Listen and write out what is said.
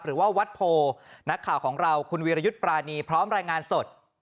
หรือว่าวัดโพนักข่าวของเราคุณวีรยุทธ์ปรานีพร้อมรายงานสด